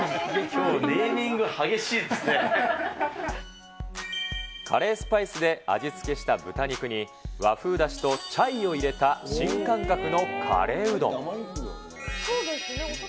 きょうはネーミング激しいでカレースパイスで味付けした豚肉に、和風だしとチャイを入れた新感覚のカレーうどん。